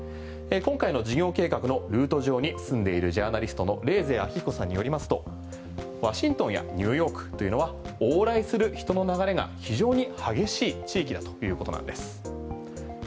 今回の事業計画のルート上に住んでいるジャーナリストの冷泉彰彦さんによりますとワシントンやニューヨークというのは往来する人の流れが非常に激しい地域だということなんです。